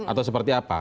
atau seperti apa